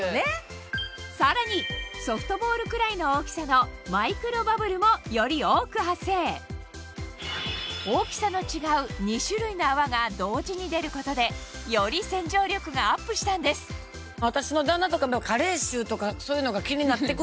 さらにソフトボールくらいの大きさのマイクロバブルもより多く発生大きさの違う２種類の泡が同時に出ることでより臭いでお悩みの方にも人気なんですね。